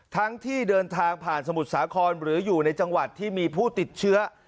ที่เดินทางผ่านสมุทรสาครหรืออยู่ในจังหวัดที่มีผู้ติดเชื้อ